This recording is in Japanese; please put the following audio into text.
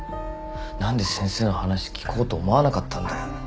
何で先生の話聞こうと思わなかったんだよ。